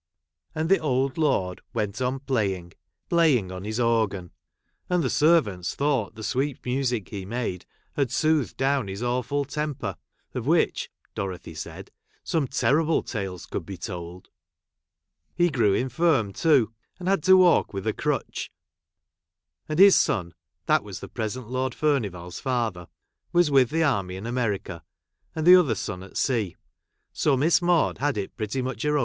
And the old lord went on playing — playing on his orgjin ; and the servants thought the sweet music he made had soothed down his awful temper, of which (Dorothy said) some terrible tales could be told. He I gi'ew infirm too, and had to walk with a j crutch ; and his son — that was the present I Lord Furnivall's father — was with the j army in America, and the other son at I sea ; so Miss Maude had it pretty much her j!